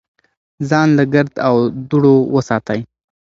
ځان له ګرد او دوړو وساتئ.